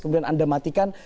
kemudian anda matikan